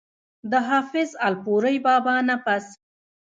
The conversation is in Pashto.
د حافظ الپورۍ بابا نه پس